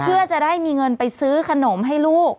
เพื่อจะได้มีเงินไปซื้อขนมให้ลูก